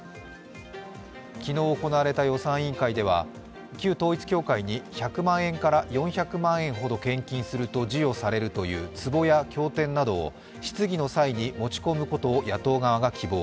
昨日行われた予算委員会では旧統一教会に１００万円から４００万円ほど献金すると授与されるという壺や経典などを、質疑の際に持ち込むことを野党側が希望。